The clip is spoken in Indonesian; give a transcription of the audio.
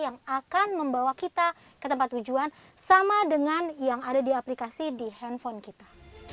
yang akan membawa kita ke tempat tujuan sama dengan yang ada di aplikasi di handphone kita